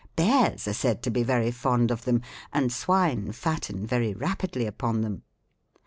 Bears are said to be very fond of them, and swine fatten very rapidly upon them.